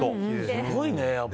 すごいね。